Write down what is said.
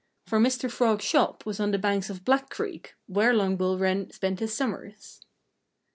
For Mr. Frog's shop was on the banks of Black Creek, where Long Bill Wren spent his summers.